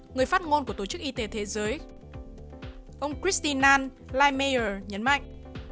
người phát ngôn của tổ chức y tế thế giới ông kristian leimeyer nhấn mạnh